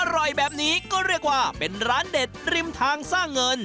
อร่อยแบบนี้ก็เรียกว่าเป็นร้านเด็ดริมทางสร้างเงิน